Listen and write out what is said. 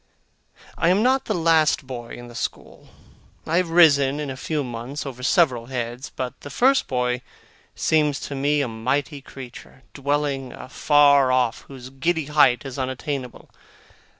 I am not the last boy in the school. I have risen in a few months, over several heads. But the first boy seems to me a mighty creature, dwelling afar off, whose giddy height is unattainable.